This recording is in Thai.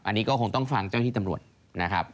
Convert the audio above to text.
อันนี้ก็คงต้องฟังเจ้าที่ตำรวจนะครับ